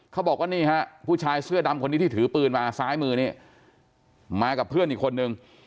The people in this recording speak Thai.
เขาบอกว่านี่ฮะผู้ชายเสื้อดำคนนี้ที่ถือปืนมาซ้ายมือนี่มากับเพื่อนอีกคนนึง